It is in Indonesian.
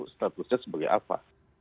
statusnya sebagai apa